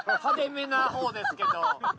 派手めなほうですけど。